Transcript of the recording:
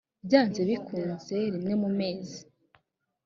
byanze bikunze rimwe mu mezi